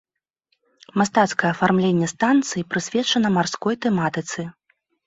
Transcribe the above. Мастацкае афармленне станцыі прысвечана марской тэматыцы.